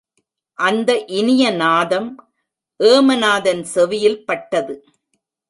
அந்த இனிய நாதம் ஏமநாதன் செவியில் பட்டது.